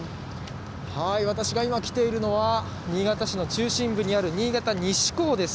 私が今来ているのは、新潟市の中心部にある新潟西港です。